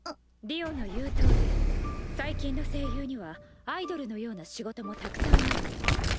りおの言うとおり最近の声優にはアイドルのような仕事もたくさんあるの。